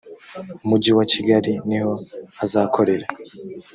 mujyi wa kigali niho azakorera